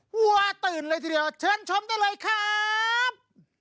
วัวตื่นเลยทีเดียวเชิญชมได้เลยครับ